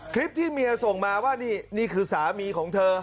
คลิปที่เมียส่งมาว่านี่นี่คือสามีของเธอ